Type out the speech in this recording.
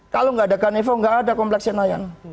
kalau nggak ada ganevo nggak ada kompleks senayan